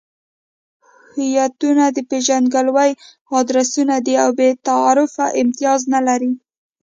هویتونه د پېژندګلوۍ ادرسونه دي او بې تعارفه امتیاز نلري.